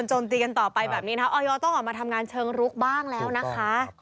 โจมตีกันต่อไปแบบนี้นะคะออยต้องออกมาทำงานเชิงลุกบ้างแล้วนะคะ